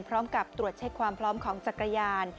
พร้อมกับตรวจเช็คความพร้อมของจักรยาน